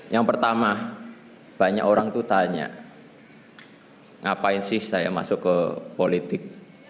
yang pertama banyak orang itu tanya ngapain sih saya masuk ke politik